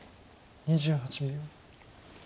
２８秒。